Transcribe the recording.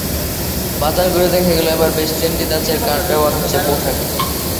বাজার ঘুরে দেখা গেল, এবার বেশ ট্রেন্ডি ধাঁচের কাট ব্যবহার হচ্ছে পোশাকে।